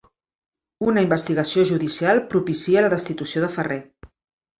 Una investigació judicial propicia la destitució de Ferrer